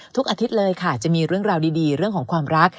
อาทิตย์เลยค่ะจะมีเรื่องราวดีเรื่องของความรัก